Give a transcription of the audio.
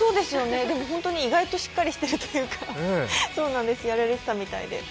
でも、本当に意外としっかりしているというか、やられていたみたいで。